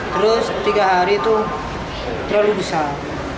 terus tiga hari itu terlalu besar